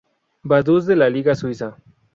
Vaduz de la liga suiza.